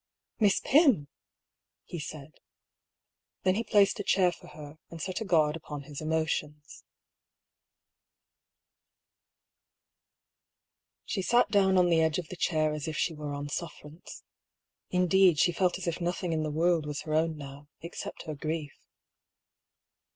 " Miss Pym !" he said. Then he placed a chair for her, and set a guard upon his emotions. She sat down on the edge of the chair as if she were on sufferance. Indeed, she felt as if nothing in the world was her own now, except her grief.